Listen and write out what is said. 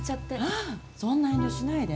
ああそんな遠慮しないで。